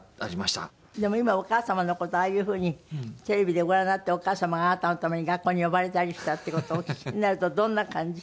でも今お母様の事ああいう風にテレビでご覧になってお母様があなたのために学校に呼ばれたりしたって事をお聞きになるとどんな感じ？